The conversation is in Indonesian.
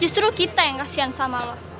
justru kita yang kasihan sama lo